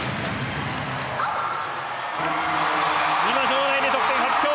今場内で得点発表。